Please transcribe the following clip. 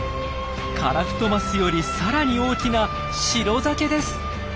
カラフトマスよりさらに大きなシロザケです。